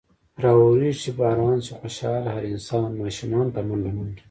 راورېږي چې باران۔ شي خوشحاله هر انسان ـ اشومان په منډه منډه ـ